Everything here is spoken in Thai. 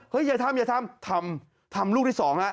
เฮ้ยอย่าทำอย่าทำทำทำลูกที่สอง